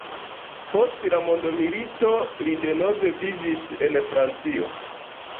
Post la mondomilito li denove vivis en Francio.